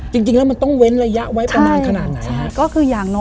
จริงแล้วมันต้องเว้นระยะไว้ประมาณขนาดไหน